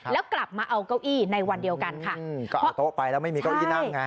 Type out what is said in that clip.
แล้วกลับมาเอาเก้าอี้ในวันเดียวกันค่ะอืมก็เอาโต๊ะไปแล้วไม่มีเก้าอี้นั่งไง